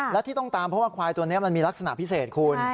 และที่ต้องตามเพราะว่าควายตัวนี้มันมีลักษณะพิเศษคุณ